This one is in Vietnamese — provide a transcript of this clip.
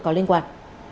có liên quan